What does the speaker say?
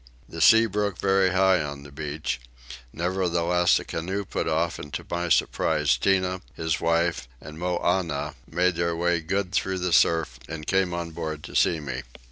The sea broke very high on the beach; nevertheless a canoe put off and to my surprise Tinah, his wife, and Moannah made their way good through the surf and came on board to see me.